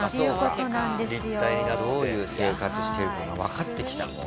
どういう生活してるかがわかってきたもう。